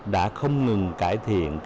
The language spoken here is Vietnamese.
đã không ngừng cải thiện